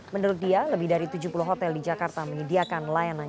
menurut dia lebih dari tujuh puluh hotel di jakarta menyediakan layanan